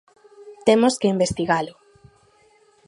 Temos que investigalo.